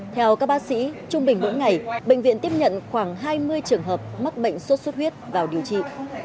theo các bác sĩ trung bình mỗi ngày bệnh viện tiếp nhận khoảng hai mươi trường hợp mắc bệnh sốt xuất huyết vào điều trị